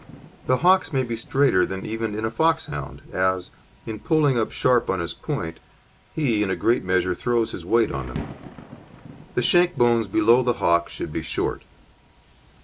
The hocks may be straighter than even in a Foxhound, as, in pulling up sharp on his point, he in a great measure throws his weight on them; the shank bones below the hock should be short.